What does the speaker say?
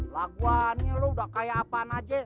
laguannya lo udah kayak apaan aja